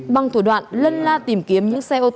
bằng thủ đoạn lân la tìm kiếm những xe ô tô của người dân